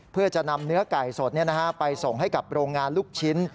เพื่อจะนำเนื้อไก่สดไปส่งให้กับโรงงานลูกชิ้น